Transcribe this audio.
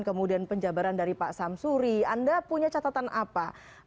kemudian penjabaran dari pak samsuri anda punya catatan apa